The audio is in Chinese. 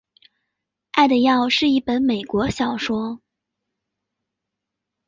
爱的药是一本美国小说。